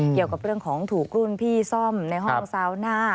เกี่ยวกับเรื่องของถูกรุ่นพี่ซ่อมในห้องซาวน่า